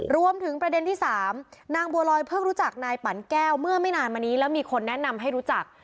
รวมถึงประเด็นที่๓นางบัวลอยเพิ่งรู้จักนายปั่นแก้วเมื่อไม่นานมานี้แล้วมีคนแนะนำให้รู้จัก